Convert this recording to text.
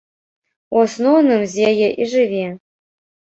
У асноўным з яе і жыве.